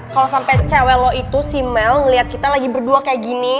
kalo sampe cewe lo itu si mel ngeliat kita lagi berdua kayak gini